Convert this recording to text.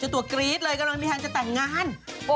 ตัวกรี๊ดเลยกำลังมีทางจะแต่งงาน